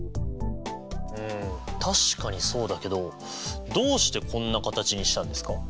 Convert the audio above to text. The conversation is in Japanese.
確かにそうだけどどうしてこんな形にしたんですか？